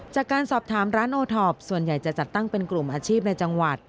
จากการสอบถามร้านโอทอปส่วนใหญ่จะจัดตั้งเป็นกลุ่มอาชีพในจังหวัด